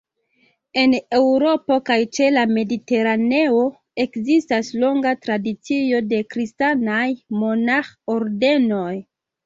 En Eŭropo kaj ĉe la Mediteraneo ekzistas longa tradicio de kristanaj monaĥ-ordenoj.